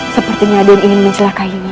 sepertinya ada yang ingin mencelakainya